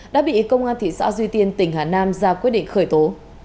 đã bị công an thị xã duy tiên tỉnh hà nam ra quyết định khởi tố